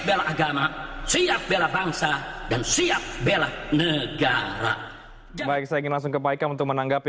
bela agama siap bela bangsa dan siap bela negara jawa iseng langsung ke baik kamu untuk menanggapi